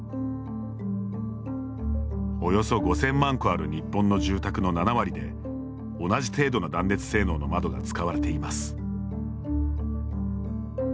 およそ５０００万戸ある日本の住宅の７割で同じ程度の断熱性能の窓が使われています。